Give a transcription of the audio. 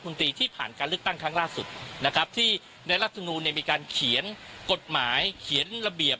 มันทำให้หลากการแบบนี้เสียหาย